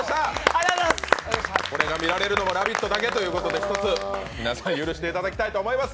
これが見られるのは「ラヴィット！」だけということでひとつ、皆さん許していただきたいと思います。